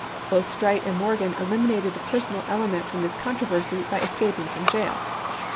Both Streight and Morgan eliminated the personal element from this controversy by escaping from jail.